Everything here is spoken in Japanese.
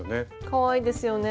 かわいいですよね。